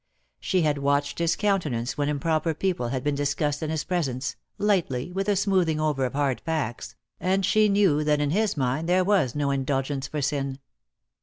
She had watched his countenance when improper people had been discussed in his presence, lightly, with a smoothing over of hard facts, and she knew that in his mind there was no indulgence for sin.